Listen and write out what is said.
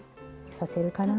させるかな？